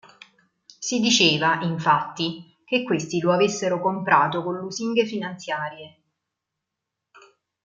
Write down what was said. Si diceva, infatti, che questi lo avessero "comprato" con lusinghe finanziarie.